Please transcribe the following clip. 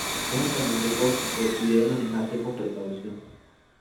Es altamente tóxico y debe manejarse con precaución.